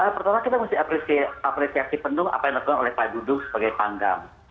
pertama kita mesti apresiasi penuh apa yang dilakukan oleh pak dudung sebagai panggang